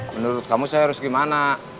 menurut kamu saya harus gimana